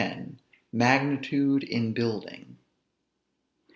MAGNITUDE IN BUILDING.